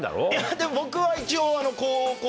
でも僕は一応。